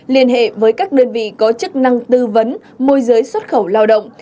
liên hệ với các đơn vị có chức năng tư vấn môi giới xuất khẩu lao động